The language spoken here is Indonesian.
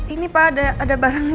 ini pak ada barang